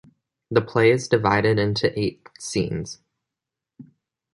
The play is divided into eight scenes.